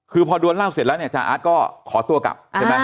คือพอโดดเล่าเสร็จแล้วจาอาจก็ขอตัวกลับ